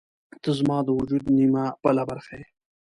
• ته زما د وجود نیمه بله برخه یې.